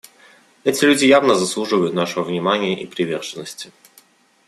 Эти люди явно заслуживают нашего внимания и приверженности.